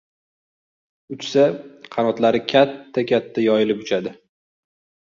Uchsa, qanotlari katta-katta yoyilib uchadi.